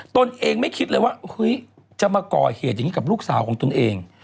ตนเองไม่คิดเลยว่าเฮ้ยจะมาก่อเหตุอย่างนี้กับลูกสาวของตนเอง